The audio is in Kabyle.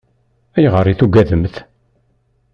Ayɣer i tugademt?